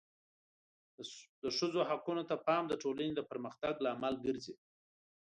د ښځو حقونو ته پام د ټولنې د پرمختګ لامل ګرځي.